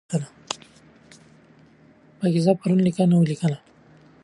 پاکیزه پرون لیکنه ولیکله.